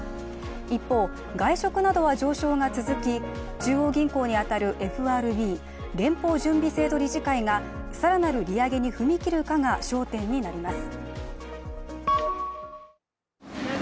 一方、外食などは上昇が続き、中央銀行に当たるＦＲＢ＝連邦準備制度理事会が更なる利上げに踏み切るかが焦点になります。